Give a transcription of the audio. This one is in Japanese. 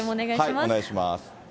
お願いします。